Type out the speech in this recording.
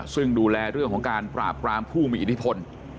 ซึ่งดูแลเรื่องของการปราบปรามผู้มีอิทธิพล